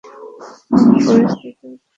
ওহ, পরিস্থিতি উদ্ভট হতে চলেছে।